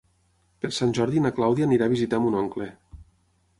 Per Sant Jordi na Clàudia anirà a visitar mon oncle.